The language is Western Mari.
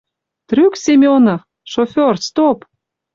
Трӱк Семёнов! Шофёр — стоп!